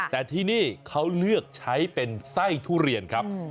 แต่ที่นี่เขาเลือกใช้เป็นไส้ทุเรียนครับ